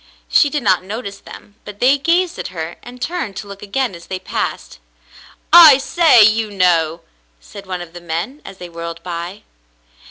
She did not notice them, but they gazed at her and turned to look again as they passed. "I say, you know !" said one of the men, as they whirled by.